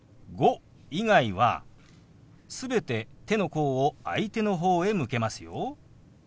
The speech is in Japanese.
「５」以外は全て手の甲を相手の方へ向けますよ。